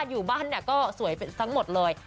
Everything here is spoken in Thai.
อยู่บ้านก็สวยทั้งหมดเลย